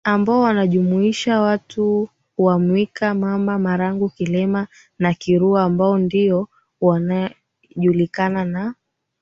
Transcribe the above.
ambao wanajumuisha watu wa Mwika Mamba Marangu Kilema na Kirua ambayo ndio inajulikana na